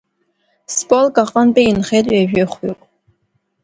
Сполк аҟынтәи инхеит ҩажәеихәҩык.